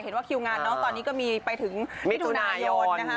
แล้วตอนนี้ก็มีไปถึงมิธุนายนนะคะ